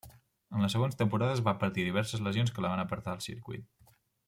En les següents temporades va patir diverses lesions que la van apartar del circuit.